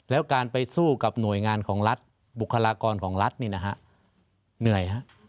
แล้วการไปสู้กับหน่วยงานของรัฐบุคลากรของรัฐนี่นะฮะเหนื่อยฮะ